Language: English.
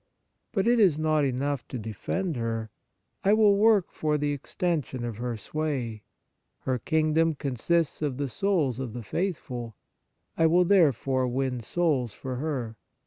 But it is not enough to defend her : I will work for the extension of her sway. Her kingdom consists of the souls of the faithful : I will therefore win souls for her.